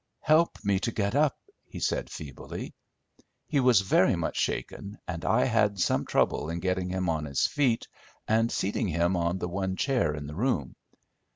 "Help me to get up," he said feebly. He was very much shaken, and I had some trouble in getting him on his feet, and seating him on the one chair in the room.